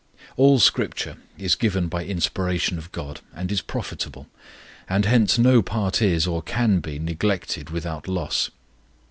All Scripture is given by inspiration of God and is profitable, and hence no part is, or can be, neglected without loss.